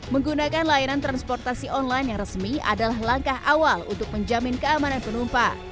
menggunakan layanan transportasi online yang resmi adalah langkah awal untuk menjamin keamanan penumpang